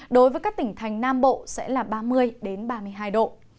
đối với các tỉnh thành nam bộ sẽ là ba mươi ba mươi hai độ